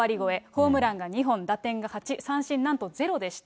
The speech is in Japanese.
ホームランが２本、打点が８、三振なんと０でした。